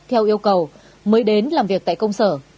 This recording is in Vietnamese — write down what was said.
theo yêu cầu mới đến làm việc tại công sở